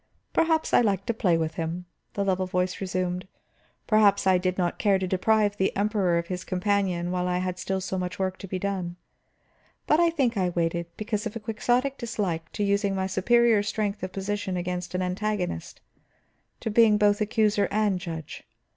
"Perhaps I liked to play with him," the level voice resumed. "Perhaps I did not care to deprive the Emperor of his companion while I had still so much work to be done. But I think I waited because of a quixotic dislike to using my superior strength of position against an antagonist; to being both accuser and judge.